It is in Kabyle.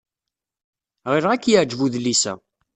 Ɣileɣ ad k-yeɛjeb udlis-a.